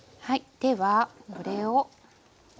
ではこれを。